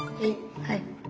はい。